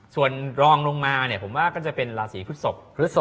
ส่วนรองลงมาเนี่ยผมว่าก็จะเป็นราศีพฤศพ